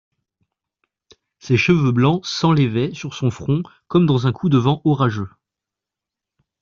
Ses cheveux blancs s'enlévaient sur son front comme dans un coup de vent orageux.